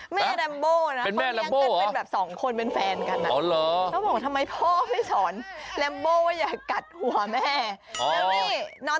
แม่แรมโบนะพอเลี้ยงกันเป็นแบบสองคนเป็นแฟนกันนะพอเลี้ยงกันเป็นแบบสองคนเป็นแฟนกันนะ